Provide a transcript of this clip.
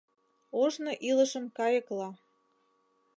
Ожно илышым кайыкла